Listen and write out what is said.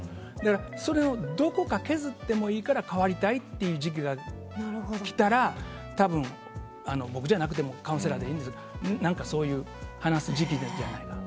そのどこかを削ってもいいから変わりたいという時期が来たらたぶん、僕じゃないカウンセラーでいいんですけど何かそういう話す時期じゃないかなと。